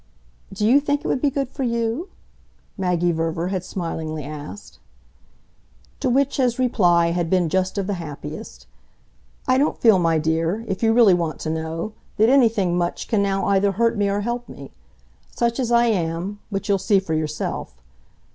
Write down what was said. "Do you think it would be good for you?" Maggie Verver had smilingly asked. To which his reply had been just of the happiest. "I don't feel, my dear, if you really want to know, that anything much can now either hurt me or help me. Such as I am but you'll see for yourself.